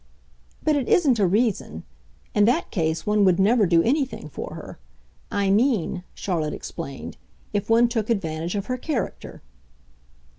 "But it isn't a reason. In that case one would never do anything for her. I mean," Charlotte explained, "if one took advantage of her character."